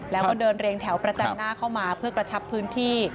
แล้วก็เดินเรียงแถวประจันหน้าเข้ามาเพื่อกระชับพื้นที่